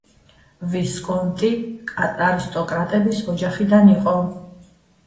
ვისკონტი არისტოკრატების ოჯახიდან იყო.